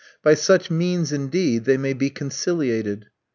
By such means, indeed, they may be conciliated.